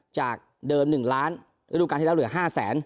จากเดิม๑ล้านฤดูการที่แล้วเหลือ๕แสน